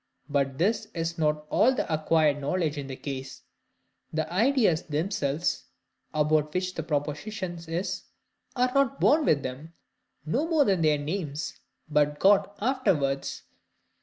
But this is not all the acquired knowledge in the case: the ideas themselves, about which the proposition is, are not born with them, no more than their names, but got afterwards.